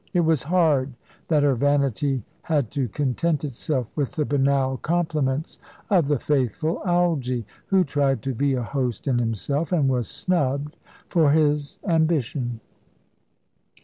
It was hard that her vanity had to content itself with the banal compliments of the faithful Algy, who tried to be a host in himself, and was snubbed for his ambition.